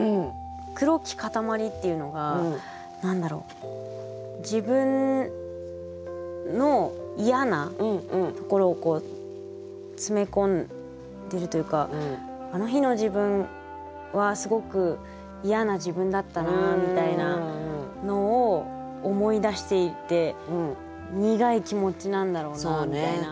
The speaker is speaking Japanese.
「黒き塊」っていうのが何だろう自分の嫌なところを詰め込んでるというか「あの日の自分」はすごく嫌な自分だったなみたいなのを思い出していて苦い気持ちなんだろうなみたいな。